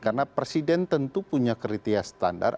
karena presiden tentu punya kriteria standar